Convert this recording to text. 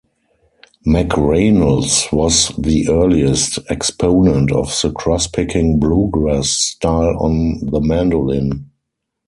McReynolds was the earliest exponent of the crosspicking bluegrass style on the mandolin.